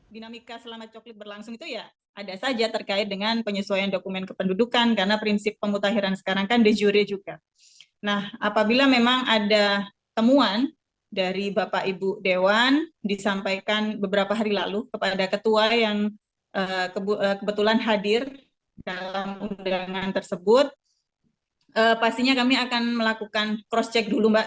dalam undangan tersebut pastinya kami akan melakukan cross check dulu mbak